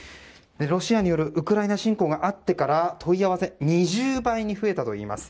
ロシアによるウクライナ侵攻があってから問い合わせ２０倍に増えたといいます。